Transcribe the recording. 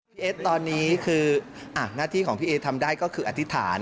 เอสตอนนี้คือหน้าที่ของพี่เอทำได้ก็คืออธิษฐาน